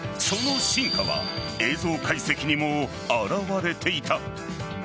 その進化は映像解析にも表れていた。